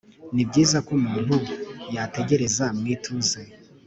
Ni byiza ko umuntu yategereza mu ituze